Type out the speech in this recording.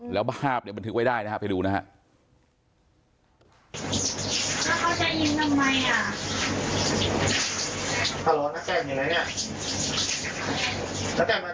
แล้วบ้าบเนี่ยมันถือไว้ได้นะครับไปดูนะฮะ